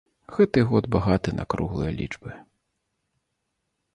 Гэты год багаты на круглыя лічбы.